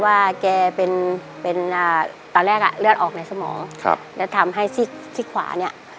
ว่าแกเป็นเป็นอ่าตอนแรกอ่ะเลือดออกในสมองครับแล้วทำให้ซีกซี่ขวาเนี่ย